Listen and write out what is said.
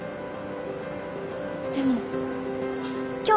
でも。